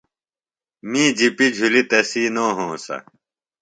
می جِپی جُھلیۡ تسی نو ہونسہ۔